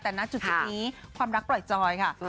แต่ณจุดนี้ความรักปล่อยจอยค่ะ